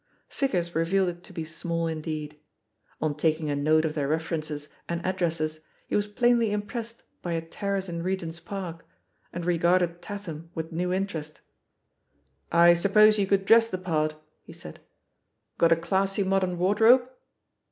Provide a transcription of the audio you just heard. Figures revealed it to be small indeed. On taking a note of their references and addresses, he was plainly impressed by a terrace "i THE POSITION OF PEGGY HARPER 87. In Regent's Park and regarded Tatham with new interest. T suppose you could dress the part/' he said 'got a classy modem wardrobe?"